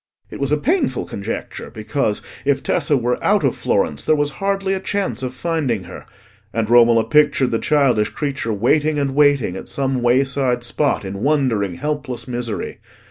It was a painful conjecture, because, if Tessa were out of Florence, there was hardly a chance of finding her, and Romola pictured the childish creature waiting and waiting at some wayside spot in wondering, helpless misery.